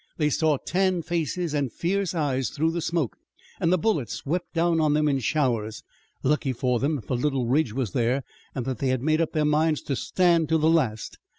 They saw tanned faces and fierce eyes through the smoke, and the bullets swept down on them in showers. Lucky for them that the little ridge was there, and that they had made up their minds to stand to the last.